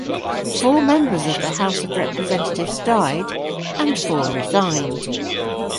Four members of the House of Representatives died, and four resigned.